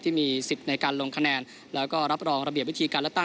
ที่มีสิทธิ์ในการลงคะแนนแล้วก็รับรองระเบียบวิธีการเลือกตั้ง